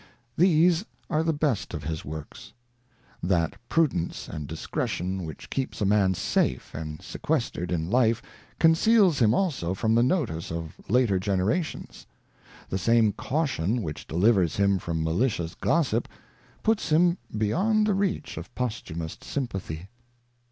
These are the best of his works. That prudence and discretion which keeps a man safe and sequestered in life conceals him also from the notice of later generations ; the same caution which delivers him from malicious gossip, puts him beyond the reach of posthumous sympathy.